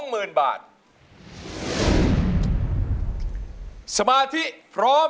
ครับมีแฟนเขาเรียกร้อง